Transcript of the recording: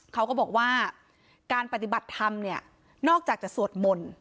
เขาก็บอกว่าการปฏิบัติธรรมเนี่ยนอกจากจะสวดมนต์